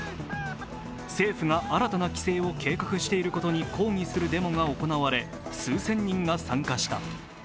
政府が新たな規制を計画していることに抗議するデモが行われ、数千人が参加した。